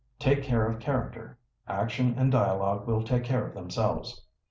Take care of character; action and dialogue will take care of themselves!